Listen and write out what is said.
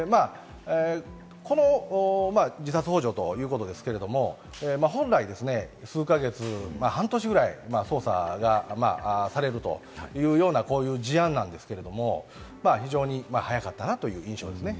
この自殺ほう助ということですけれど、本来、数か月、半年ぐらい捜査がされるというような事案なんですけれども、非常に早かったなという印象ですね。